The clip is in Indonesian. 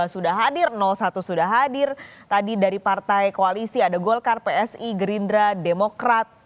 sudah hadir satu sudah hadir tadi dari partai koalisi ada golkar psi gerindra demokrat